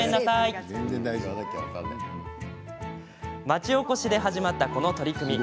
町おこしで始まったこの取り組み。